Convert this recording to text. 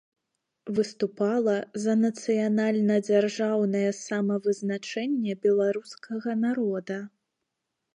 Выступала за нацыянальна-дзяржаўнае самавызначэнне беларускага народа.